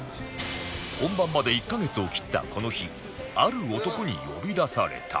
本番まで１カ月を切ったこの日ある男に呼び出された